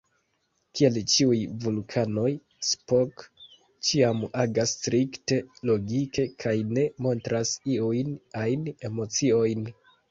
Kiel ĉiuj vulkanoj, Spock ĉiam agas strikte logike kaj ne montras iujn ajn emociojn.